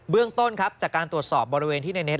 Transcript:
เรื่องต้นครับจากการตรวจสอบบริเวณที่ในเน็ต